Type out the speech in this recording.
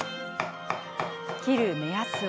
切る目安は。